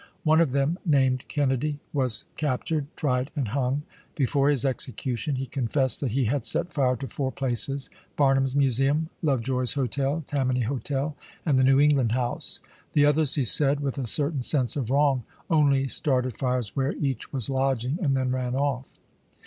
One of them, named Kennedy, was captured, tried, and hung. Before his execution he confessed that he had set fire to four places : Barnum's Mu seum, Love joy's Hotel, Tammany Hotel, and the New England House ;" the others," he said, with a certain sense of wrong, " only started fires where each was lodging, and then ran off.